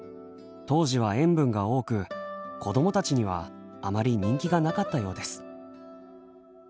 当時は塩分が多く子どもたちにはあまり人気がなかったようです。